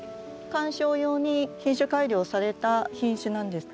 観賞用に品種改良された品種なんです。